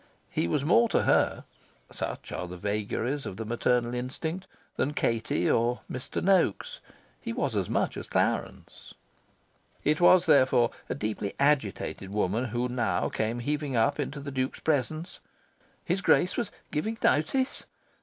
He was more to her (such are the vagaries of the maternal instinct) than Katie or Mr. Noaks: he was as much as Clarence. It was, therefore, a deeply agitated woman who now came heaving up into the Duke's presence. His Grace was "giving notice"?